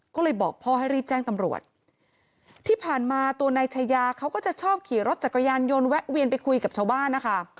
ก็เลยบอกพ่อให้รีบแจ้งตำรวจที่ผ่านมาตัวนายชายาเขาก็จะชอบขี่รถจักรยานยนต์แวะเวียนไปคุยกับชาวบ้านนะคะ